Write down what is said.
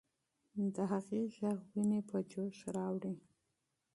د هغې ږغ ويني په جوش راوړي.